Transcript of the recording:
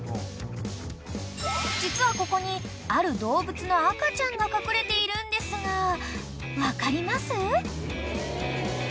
［実はここにある動物の赤ちゃんが隠れているんですが分かります？］